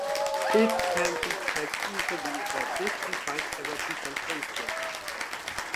It can be checked easily that this defines a representation.